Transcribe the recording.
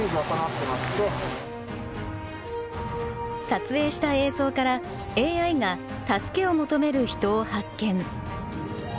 撮影した映像からＡＩが助けを求める人を発見。